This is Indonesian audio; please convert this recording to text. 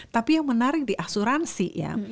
tapi yang menarik di asuransi ya